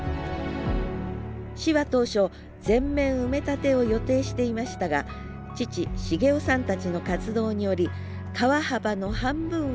市は当初全面埋め立てを予定していましたが父茂男さんたちの活動により川幅の半分は運河が残ることが決定。